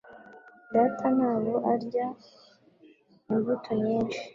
Data ntabwo arya imbuto nyinshi